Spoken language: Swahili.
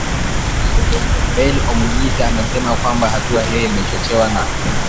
Bain Omugisa amesema kwamba hatua hiyo imechochewa na